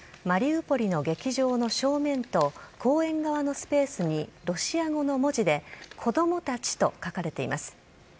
マリウポリの劇場の正面と公園側のスペースにロシア語の文字でこどもたちと書かれています。